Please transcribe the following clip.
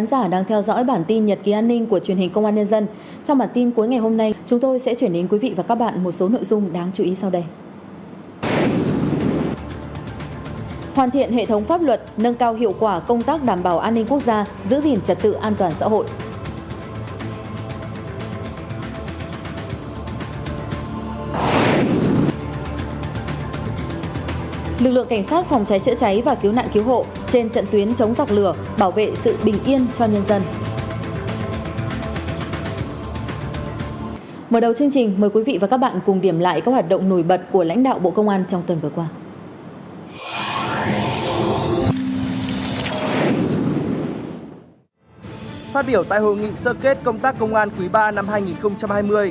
các bạn hãy đăng ký kênh để ủng hộ kênh của chúng mình nhé